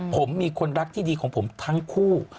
ผมมีคนรักที่ดีของผมทั้งคู่